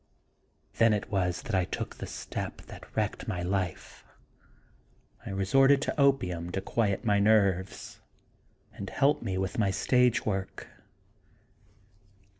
Then it was that I took the step that wrecked my life. I resorted to opium to quiet my nerves and help me through with my stage work.